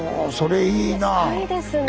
いいですね。